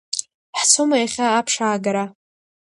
Ҳцома иахьа аԥш аагара?